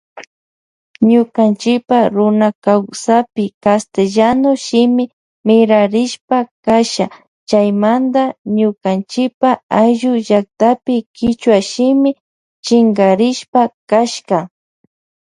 Ñukanchipa runakaysapi castellano shimi mirarishpa kasha chaymanta nukanchipa ayllu llaktapi kichwa shimi shinkarispa kashka.